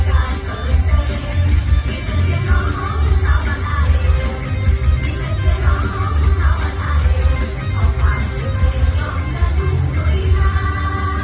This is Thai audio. มีแค่เชื้อน้องของชาวอาหารเพราะฝ่าเชื้อเตรียมต้องการคุ้มโดยร้าย